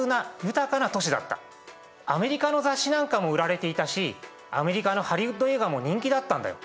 アメリカの雑誌なんかも売られていたしアメリカのハリウッド映画も人気だったんだよ。